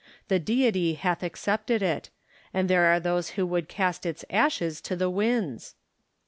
The Deity hath accepted it : and there are those who would cast its ashes to the winds